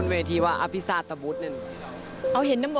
เห็นหรือเปล่า